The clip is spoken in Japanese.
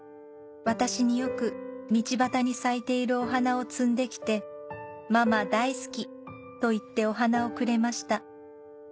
「私によく道端に咲いているお花を摘んで来て『ママ大好き』と言ってお花をくれました」